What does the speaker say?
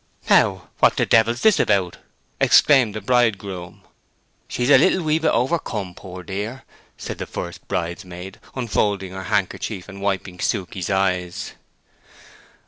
"How—what the devil's this about!" exclaimed the bridegroom. "She's a little wee bit overcome, poor dear!" said the first bridesmaid, unfolding her handkerchief and wiping Suke's eyes.